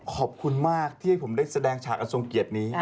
ขอบคุณมากที่ให้ผมได้แสดงฉากอันทรงเกียรตินี้